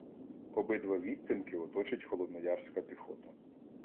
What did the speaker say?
Обидва відтинки оточить холодноярська піхота.